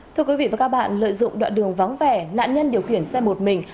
thưa quý vị và các bạn lợi dụng đoạn đường vắng vẻ nạn nhân điều khiển xe một mình